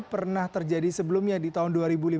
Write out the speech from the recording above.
pernah terjadi sebelumnya di tahun dua ribu lima belas